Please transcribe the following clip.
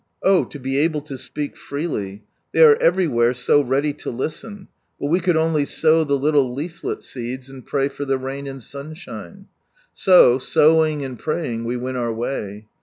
Oh, to be able to speak freely ! They are everywhere so ready to listen ; but we could only sow the little leaflet seeds, and pray for the rain and sunshine. So, sowing and praying, we went our way.